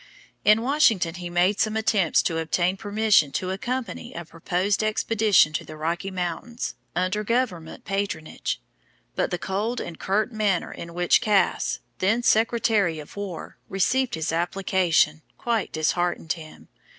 In Washington he made some attempts to obtain permission to accompany a proposed expedition to the Rocky Mountains, under Government patronage. But the cold and curt manner in which Cass, then Secretary of War, received his application, quite disheartened him.